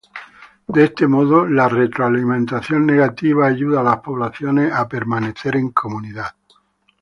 De este modo, la retroalimentación negativa ayuda a las poblaciones a permanecer en comunidad.